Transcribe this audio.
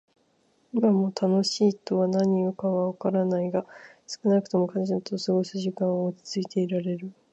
今も「楽しい」とは何かはわかってはいないが、少なくとも彼女と過ごす時間は落ち着いていられる。